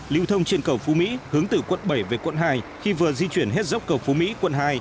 lưu thông trên cầu phú mỹ hướng từ quận bảy về quận hai khi vừa di chuyển hết dốc cầu phú mỹ quận hai